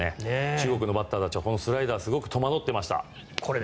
中国のバッターたちはスライダーに戸惑っていました。